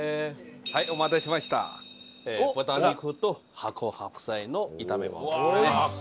お待たせしました豚肉と発酵白菜の炒め物ですね。